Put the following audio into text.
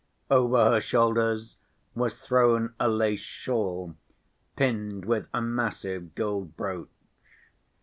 Over her shoulders was thrown a lace shawl pinned with a massive gold brooch.